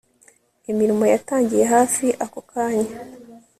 Imirimo yatangiye hafi ako kanya